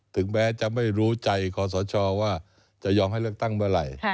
ถึงแม้จะไม่รู้ใจคอสชว่าจะยอมให้เลือกตั้งเมื่อไหร่